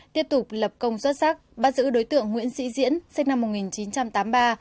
tiếp tục lập công xuất sắc bắt giữ đối tượng nguyễn sĩ diễn sinh năm một nghìn chín trăm tám mươi ba